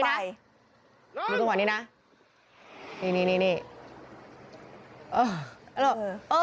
เดี๋ยวดูตรงวันนี้นะ